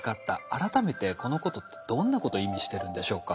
改めてこのことってどんなこと意味してるんでしょうか？